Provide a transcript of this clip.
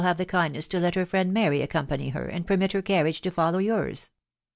have the kindness to let her friend Miry accompany her, and permit her carriage to follow your*."